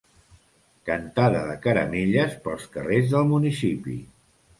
Cantada de caramelles pels carrers del municipi.